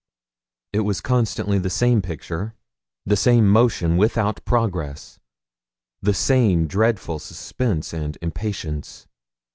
It was constantly the same picture the same motion without progress the same dreadful suspense and impatience.